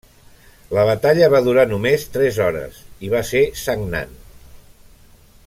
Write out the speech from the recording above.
La batalla va durar només tres hores, i va ser sagnant.